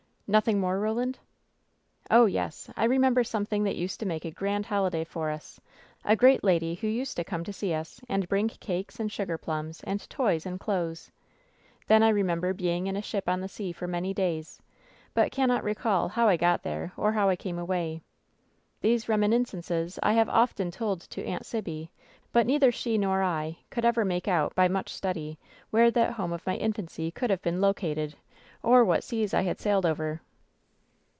"Nothing more, Roland ?" "Oh, yes. I remember something that used to make a grand holiday for us, a great lady who used to come to see us, and bring cakes and sugar plums and toys and clothes. Then I remember being in a ship on the sea for many days, but cannot recall how I got there, or how I came away. These reminiscences I have often told to ■J «74 WHEN SHADOWS DIE Aunt Sibby, but neither she nor I could ever make out by much study where that home of my infancy could have been located, or what seas I had sailed over.'